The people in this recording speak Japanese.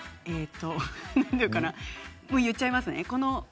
ええと言っちゃいますね。